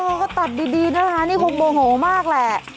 ก็ตัดดีนะคะนี่คงโมโหมากแหละ